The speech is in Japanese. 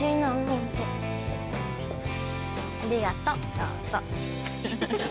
どうぞ。